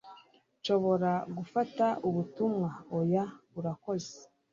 "Nshobora gufata ubutumwa?" "Oya, urakoze."